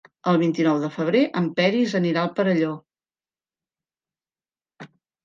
El vint-i-nou de febrer en Peris anirà al Perelló.